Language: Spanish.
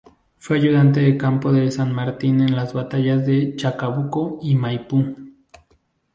Fue ayudante de campo de San Martín en las batallas de Chacabuco y Maipú.